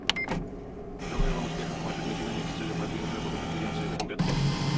Желаю вам успехов в ваших начинаниях с целью продвинуть работу Конференции в этом году.